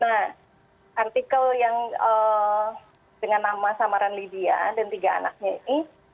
nah artikel yang dengan nama samaran lydia dan tiga anaknya ini